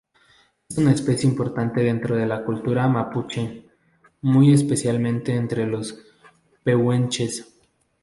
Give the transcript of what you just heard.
Es una especie importante dentro de la cultura mapuche, muy especialmente entre los pehuenches.